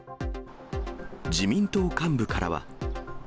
自民党幹部からは。